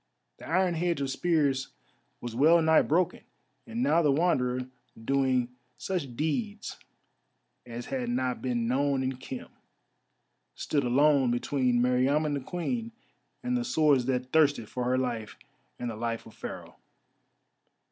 The iron hedge of spears was well nigh broken, and now the Wanderer, doing such deeds as had not been known in Khem, stood alone between Meriamun the Queen and the swords that thirsted for her life and the life of Pharaoh.